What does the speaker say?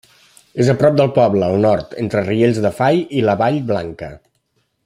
És a prop del poble, al nord, entre Riells del Fai i la Vall Blanca.